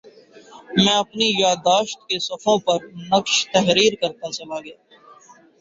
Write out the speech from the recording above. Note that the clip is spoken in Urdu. میں اپنی یادداشت کے صفحوں پر نقش تحریر کرتاچلا گیا